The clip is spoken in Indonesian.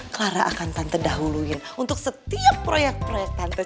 clara akan tante dahuluin untuk setiap proyek proyek tante